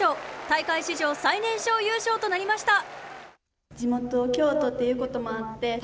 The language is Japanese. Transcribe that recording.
大会史上最年少優勝となりました。